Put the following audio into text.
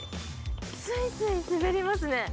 すいすい滑りますね。